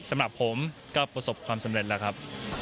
สำหรับผมก็ประสบความสำเร็จแล้วครับ